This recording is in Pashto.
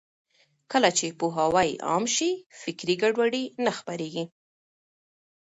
کله چې پوهاوی عام شي، فکري ګډوډي نه خپرېږي.